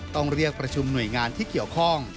ต้องเรียกประชุมหน่วยงานที่เกี่ยวข้อง